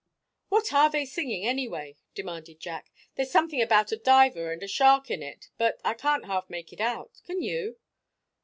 "What are they singing, anyway?" demanded Jack. "There's something about a diver and a shark in it, but I can't half make it out, can you?"